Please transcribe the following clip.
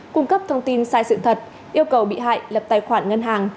cung cấp thông tin sai sự thật yêu cầu bị hại lập tài khoản ngân hàng